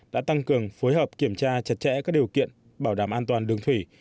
đã tăng cường phối hợp kiểm tra chặt chẽ các điều kiện bảo đảm an toàn đường thủy